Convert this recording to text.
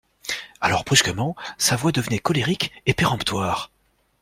Alors brusquement sa voix devenait colérique et péremptoire.